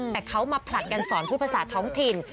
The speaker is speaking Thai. แต่เขามาผลัดกันสอนพูดภาษาท้องถิ่น